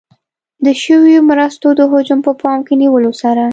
د شویو مرستو د حجم په پام کې نیولو سره.